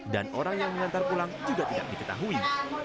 dan orang yang diantar pulang juga tidak diketahui